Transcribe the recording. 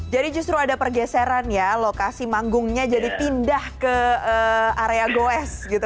jadi justru ada pergeseran ya lokasi panggungnya jadi pindah ke area goes gitu